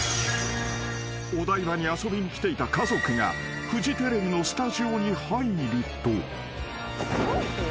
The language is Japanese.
［お台場に遊びに来ていた家族がフジテレビのスタジオに入ると］